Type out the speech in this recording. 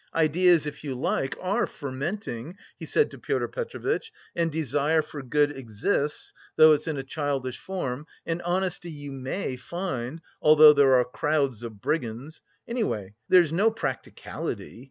Ideas, if you like, are fermenting," he said to Pyotr Petrovitch, "and desire for good exists, though it's in a childish form, and honesty you may find, although there are crowds of brigands. Anyway, there's no practicality.